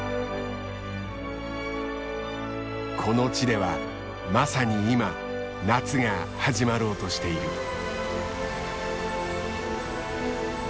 この地ではまさに今夏が始まろうとしている。